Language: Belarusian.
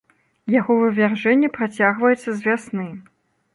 Яго вывяржэнне працягваецца з вясны.